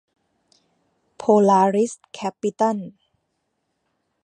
โพลาริส แคปปิตัล